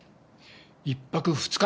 １泊２日。